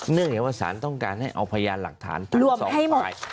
เนื่องอย่างว่าสารต้องการให้เอาพยานหลักฐานรวมให้หมด